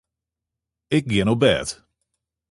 Ik gean op bêd.